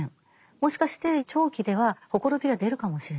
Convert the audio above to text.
もしかして長期ではほころびが出るかもしれない。